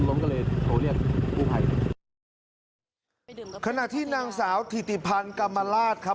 ล้มก็เลยโทรเรียกกู้ภัยขณะที่นางสาวถิติพันธ์กรรมราชครับ